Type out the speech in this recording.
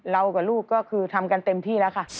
กับลูกก็คือทำกันเต็มที่แล้วค่ะ